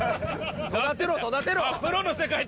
育てろ育てろあっ